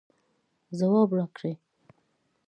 ځواب راکړئ